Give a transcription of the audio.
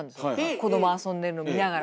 子供遊んでるの見ながら。